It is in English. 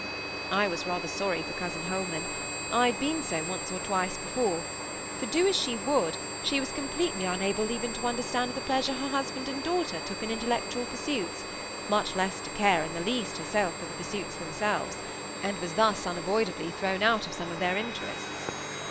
I was rather sorry for cousin Holman; I had been so once or twice before; for do what she would, she was completely unable even to understand the pleasure her husband and daughter took in intellectual pursuits, much less to care in the least herself for the pursuits themselves, and was thus unavoidably thrown out of some of their interests.